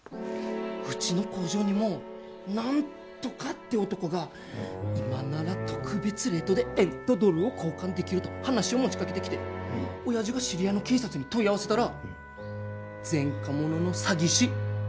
うちの工場にもナントカって男が今なら特別レートで円とドルを交換できると話を持ちかけてきて親父が知り合いの警察に問い合わせたら前科者の詐欺師。